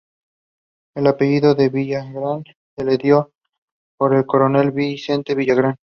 El apellido "de Villagrán" se le dio por el coronel Vicente Villagrán.